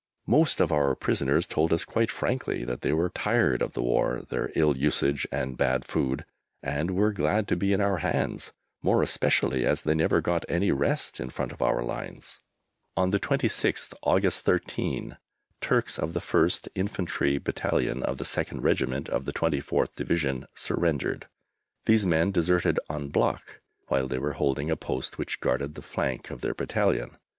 Most of our prisoners told us quite frankly that they were tired of the war, their ill usage, and bad food, and were glad to be in our hands, more especially as they never got any rest in front of our lines. On the 26th August thirteen Turks of the 1st Infantry Battalion of the 2nd Regiment of the 24th Division surrendered. These men deserted en bloc while they were holding a post which guarded the flank of their battalion.